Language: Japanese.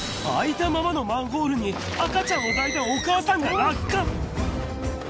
開いたままのマンホールに赤ちゃんを抱いたお母さんが落下。